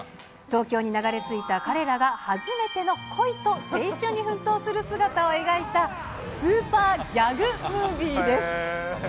東京に流れ着いた彼らが初めての恋と青春に奮闘する姿を描いたスーパーギャグムービーです。